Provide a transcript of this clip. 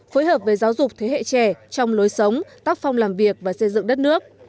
phối hợp với giáo dục thế hệ trẻ trong lối sống tác phong làm việc và xây dựng đất nước